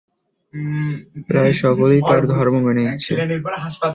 প্রায় সকলেই তার ধর্ম মেনে নিচ্ছে।